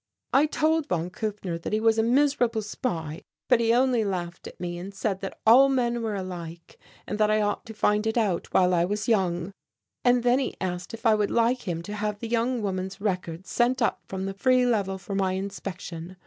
I told von Kufner that he was a miserable spy, but he only laughed at me and said that all men were alike and that I ought to find it out while I was young and then he asked if I would like him to have the young woman's record sent up from the Free Level for my inspection.